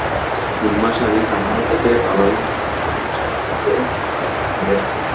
তিন মাস আগে কারখানা থেকে পালালে কলকাতা পুলিশ মাটিকে আটক করে।